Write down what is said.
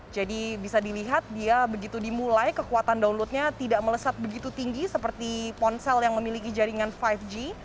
jadi bisa dilihat dia begitu dimulai kekuatan downloadnya tidak melesat begitu tinggi seperti ponsel yang memiliki jaringan lima g